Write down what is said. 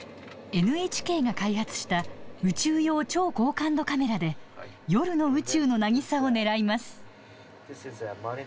ＮＨＫが開発した宇宙用超高感度カメラで夜の宇宙の渚を狙います